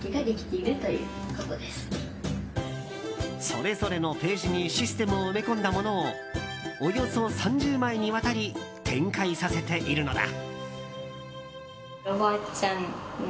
それぞれのページにシステムを埋め込んだものをおよそ３０枚にわたり展開させているのだ。